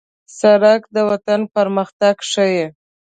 سړک د وطن پرمختګ ښيي.